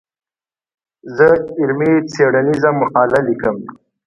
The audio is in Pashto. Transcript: زه علمي څېړنيزه مقاله ليکم.